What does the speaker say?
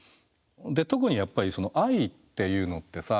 で特にやっぱりその愛っていうのってさ